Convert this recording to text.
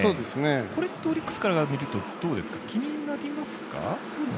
これってオリックスから見ると気になりますか。